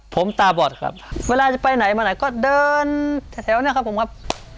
ผมตาบอดครับเวลาจะไปไหนมาไหนก็เดินแถวนะครับผมครับ